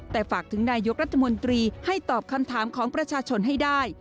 แต่ฝากถึงนายกรัฐมนตรีให้ตอบคำถามของประชาชนให้ได้